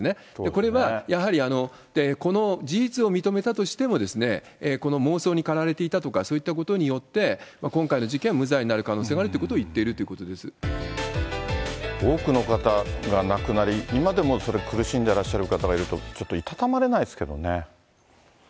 これはやはり、この事実を認めたとしても、この妄想に駆られていたとか、そういったことによって、今回の事件は無罪になる可能性があるってことを言っているってこ多くの方が亡くなり、今でもそれ、苦しんでいる方がいると、ちょっといたたまれないですけどね。